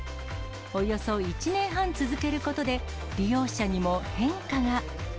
およそ１年半続けることで、利用者にも変化が。